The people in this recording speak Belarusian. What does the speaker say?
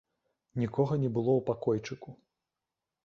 Нікога не было ў пакойчыку.